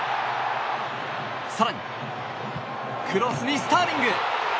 更に、クロスにスターリング。